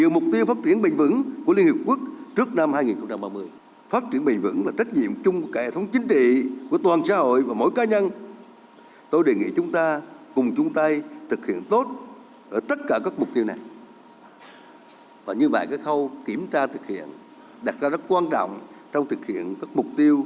mục tiêu tiêu chuẩn nghị sử và mục tiêu thiên hình kỹ ở việt nam